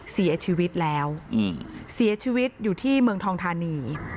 เสียชีวิตแล้วเสียชีวิตอยู่ที่เมืองทองธานี